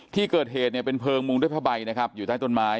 ที่เกิดเหตุเป็นเพลิงมุมด้วยผ้าใบอยู่ใต้ต้นไม้